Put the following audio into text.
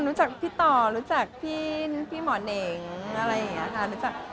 รู้จักพี่ต่อรู้จักพี่หมอเหน่งอะไรอย่างนี้ค่ะ